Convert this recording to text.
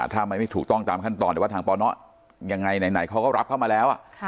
ถ้ามันไม่ถูกต้องตามขั้นตอนหรือว่าทางปนยังไงไหนเขาก็รับเข้ามาแล้ว